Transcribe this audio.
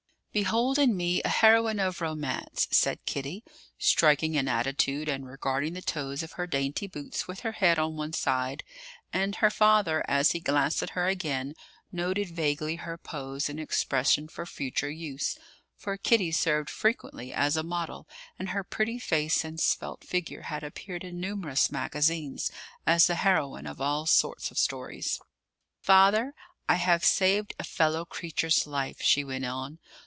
"Behold in me a heroine of romance!" said Kitty, striking an attitude and regarding the toes of her dainty boots with her head on one side; and her father, as he glanced at her again, noted vaguely her pose and expression for future use; for Kitty served frequently as a model, and her pretty face and svelte figure had appeared in numerous magazines as the heroine of all sorts of stories. "Father, I have saved a fellow creature's life," she went on.